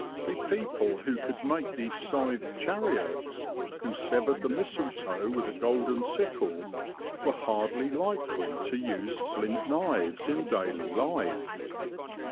A people who could make these scythe chariots, who severed the mistletoe with a golden sickle, were hardly likely to use flint knives in daily life.